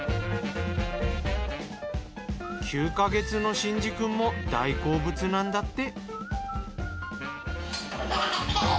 ９か月の真志くんも大好物なんだって。